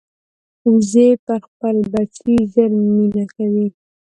وزې پر خپل بچي ژر مینه کوي